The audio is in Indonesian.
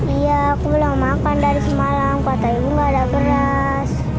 iya aku belum makan dari semarang kota ibu nggak ada beras